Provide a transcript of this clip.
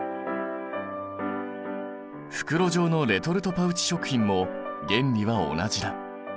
袋状のレトルトパウチ食品も原理は同じだ。